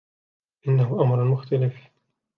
إنه أمر مختلف.